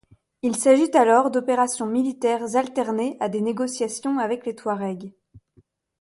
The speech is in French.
Il s’agit alors d’opérations militaires alternées à des négociations avec les Touaregs.